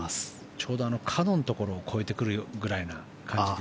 ちょうど角のところを越えてくるような感じで。